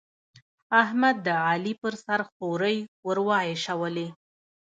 احمد، د علي پر سر خورۍ ور واېشولې.